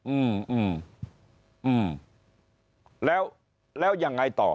อืมอืมแล้วแล้วยังไงต่อ